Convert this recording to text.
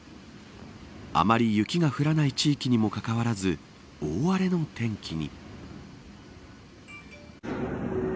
あまり雪が降らない地域にもかかわらず大荒れの天気に。